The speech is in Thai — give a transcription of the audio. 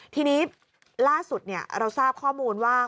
ทีนี้ล่าสุดเราทราบข้อมูลว่า